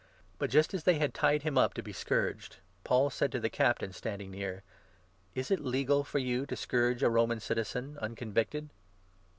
But just as they had tied him up to be 25 scourged, Paul said to the Captain standing near : "Is it legal for you to scourge a Roman citizen, uncon victed